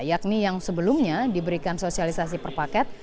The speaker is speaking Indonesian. yakni yang sebelumnya diberikan sosialisasi per paket